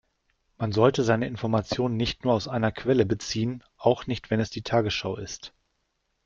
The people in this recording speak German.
Man sollte seine Informationen nicht nur aus einer Quelle beziehen, auch nicht wenn es die Tagesschau ist.